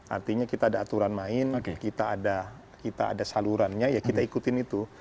artinya kita ada aturan main kita ada salurannya ya kita ikutin itu